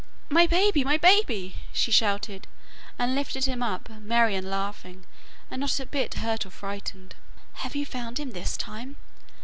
'My baby, my baby!' she shouted, and lifted him up, merry and laughing, and not a bit hurt or frightened. 'Have you found him this time?